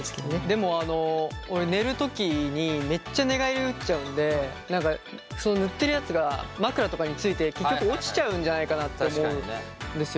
でも俺寝る時にめっちゃ寝返り打っちゃうんで塗ってるやつが枕とかについて結局落ちちゃうんじゃないかなって思うんですよ。